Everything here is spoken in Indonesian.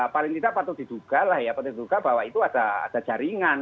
paling tidak patut diduga lah ya patut diduga bahwa itu ada jaringan